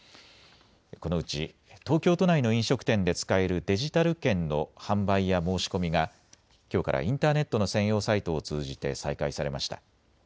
このうち東京都内の飲食店で使えるデジタル券の販売や申し込みがきょうからインターネットの専用サイトを通じて再開されました。